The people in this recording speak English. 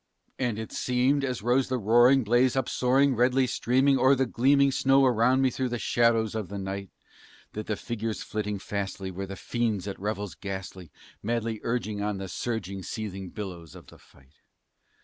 And it seemed, as rose the roaring blaze, up soaring, redly streaming O'er the gleaming snow around me through the shadows of the night, That the figures flitting fastly were the fiends at revels ghastly, Madly urging on the surging, seething billows of the fight.